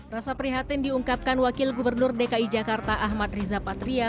rasa prihatin diungkapkan wakil gubernur dki jakarta ahmad riza patria